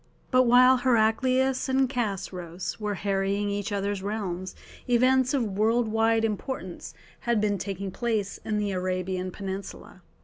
But while Heraclius and Chosroës were harrying each other's realms events of world wide importance had been taking place in the Arabian peninsula.